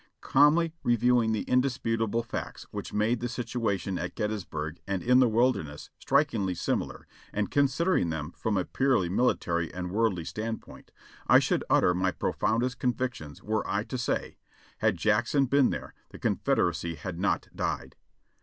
Calmly reviewing the indisputable facts which made the situation at Gettysburg and in the Wilderness strikingly similar, and con sidering them from a purely military and wordly standpoint, I should utter my profoundest convictions were I to say : 'Had Jackson been there, the Confederacy had riot died.'